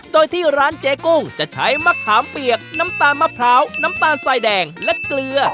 โดยที่ร้านเจ๊กุ้งจะใช้มะขามเปียกน้ำตาลมะพร้าวน้ำตาลสายแดงและเกลือ